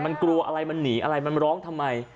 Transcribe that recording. มันกลัวอะไรมันหนีอะไรมันร้องทำไม